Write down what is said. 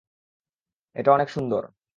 এটা অনেক সুন্দর।